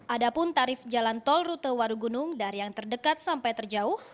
ada pun tarif jalan tol rute warugunung dari yang terdekat sampai terjauh